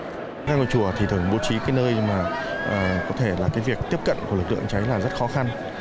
theo lực lượng chùa thì thường bố trí cái nơi mà có thể là cái việc tiếp cận của lực lượng cháy là rất khó khăn